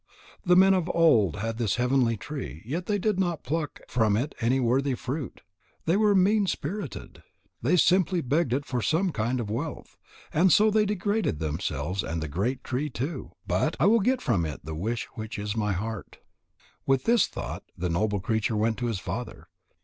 The men of old had this heavenly tree, yet they did not pluck from it any worthy fruit. They were mean spirited. They simply begged it for some kind of wealth. And so they degraded themselves and the great tree too. But I will get from it the wish which is in my heart." With this thought the noble creature went to his father.